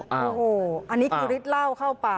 โหอันนี้คือฤทธิ์เวลาเข้าปาก